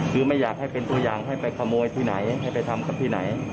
คือไม่อยากให้เป็นตัวอย่างให้ไปขโมยที่ไหนให้ไปทำกับที่ไหน